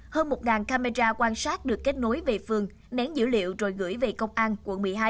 hameja quan sát được kết nối về phương nén dữ liệu rồi gửi về công an quận một mươi hai